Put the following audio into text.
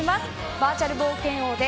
バーチャル冒険王で